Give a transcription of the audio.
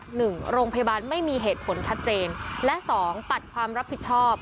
หนึ่งโรงพยาบาลไม่มีเหตุผลชัดเจนและสองปัดความรับผิดชอบ